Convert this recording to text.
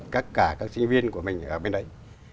các sinh viên của mình ở bên đấy